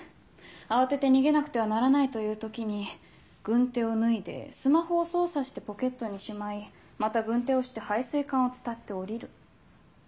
慌てて逃げなくてはならないという時に軍手を脱いでスマホを操作してポケットにしまいまた軍手をして配水管を伝って降りる。